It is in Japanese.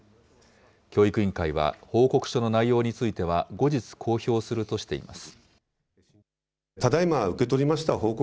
教育委員会は、報告書の内容については後日公表するとしています。